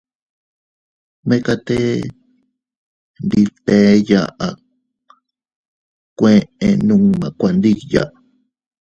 Mekatee ndi btee yaʼa kueʼe nunma kuandilla.